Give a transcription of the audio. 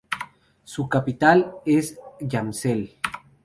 Su capital es Jacmel.